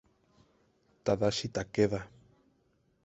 Tadashi Takeda